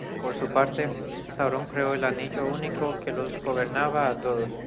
Por su parte, Sauron creó el Anillo Único que los gobernaba a todos.